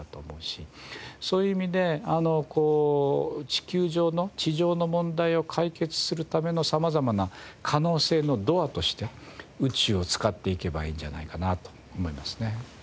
そういう意味で地球上の地上の問題を解決するための様々な可能性のドアとして宇宙を使っていけばいいんじゃないかなと思いますね。